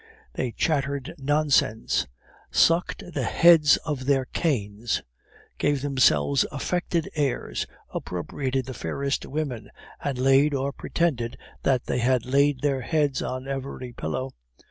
They chattered nonsense, sucked the heads of their canes, gave themselves affected airs, appropriated the fairest women, and laid, or pretended that they had laid their heads on every pillow.